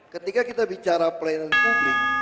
ketika kita bicara pelayanan publik